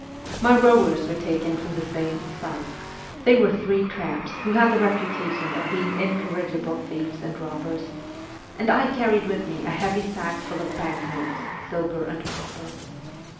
My rowers were taken from the same ' sons ;' they were three tramps who had the reputation of being incorrigible thieves and robbers and I carried with me a heavy sack full of bank notes, silver, and copper.